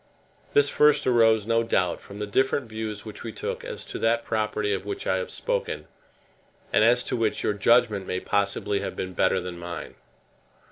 This first arose, no doubt, from the different views which we took as to that property of which I have spoken, and as to which your judgment may possibly have been better than mine.